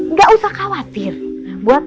nggak usah khawatir buat